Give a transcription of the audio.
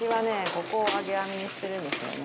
ここを揚げ網にしてるんですよね。